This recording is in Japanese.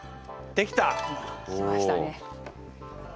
できましたね。